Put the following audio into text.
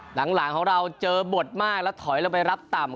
หลังของเราเจอบทมากแล้วถอยลงไปรับต่ำ